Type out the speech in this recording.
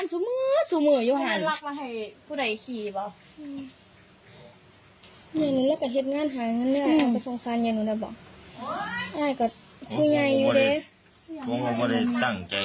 ทำไมเขาตอบแบบ